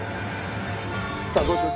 さあどうします？